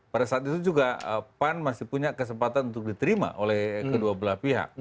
pada saat itu juga pan masih punya kesempatan untuk diterima oleh kedua belah pihak